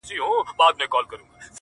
زه یې وینمه که خاص دي او که عام دي,